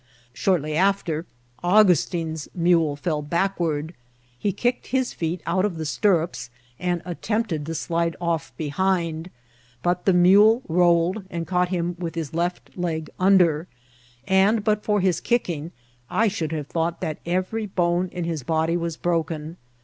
Shortly after Augustin's mule fell backward ; he kicked his feet out of the stirrups, and attempted to slide off behind ; but the mule rolled, and caught him with his left leg undery and, but for his kicking, I should have thought that every bone in his body was broken.